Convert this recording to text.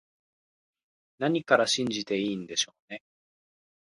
何から信じていいんでしょうね